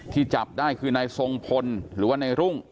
จับได้คือนายทรงพลหรือว่าในรุ่ง